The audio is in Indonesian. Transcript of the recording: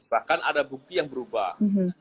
bahkan ada bukti yang berubah